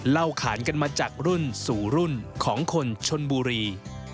ขานกันมาจากรุ่นสู่รุ่นของคนชนบุรี